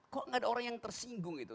kok gak ada orang yang tersinggung itu